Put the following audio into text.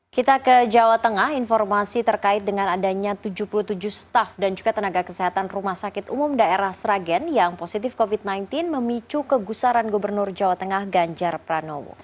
kita ke jawa tengah informasi terkait dengan adanya tujuh puluh tujuh staff dan juga tenaga kesehatan rumah sakit umum daerah sragen yang positif covid sembilan belas memicu kegusaran gubernur jawa tengah ganjar pranowo